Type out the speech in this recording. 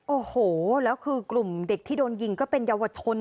โอ้โฮแล้วคือกลุ่มได้ดูโดนยิงก็เป็นยาวชน